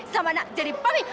sama nak jadi papi